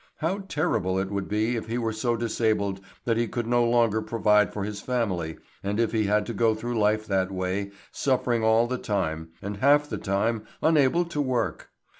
How terrible it would be if he were so disabled that he could no longer provide for his family and if he had to go through life that way, suffering all the time, and half the time unable to work!